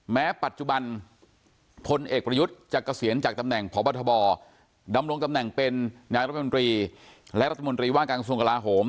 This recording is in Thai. แม้ปัจจุบันพลเอกประยุทธ์จะเกษียณจากตำแหน่งพบทบดำรงตำแหน่งเป็นนายรัฐมนตรีและรัฐมนตรีว่าการกระทรวงกลาโหม